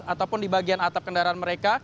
ataupun di bagian atap kendaraan mereka